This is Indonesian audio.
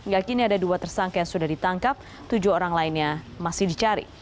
gak kini ada dua tersangka yang sudah ditangkap tujuh orang lainnya masih dicari